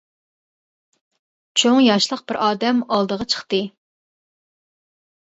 چوڭ ياشلىق بىر ئادەم ئالدىغا چىقتى.